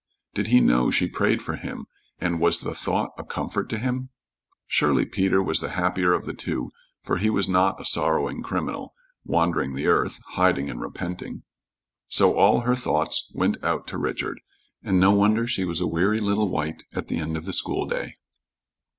Did he know she prayed for him, and was the thought a comfort to him? Surely Peter was the happier of the two, for he was not a sorrowing criminal, wandering the earth, hiding and repenting. So all her thoughts went out to Richard, and no wonder she was a weary little wight at the end of the school day.